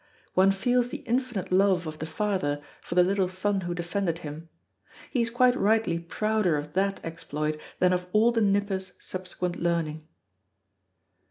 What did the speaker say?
One feels the infinite love of the father for the little son who defended him. He is quite rightly prouder of that exploit than of all the Nipper's subsequent learning.